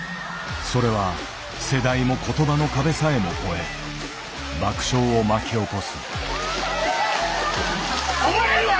それは世代も言葉の壁さえも超え爆笑を巻き起こす。